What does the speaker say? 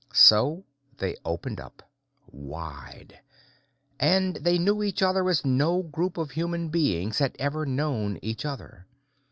So they opened up wide. And they knew each other as no group of human beings had ever known each other.